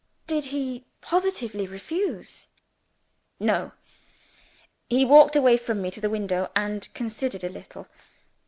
"Did he positively refuse?" "No. He walked away from me to the window, and considered a little.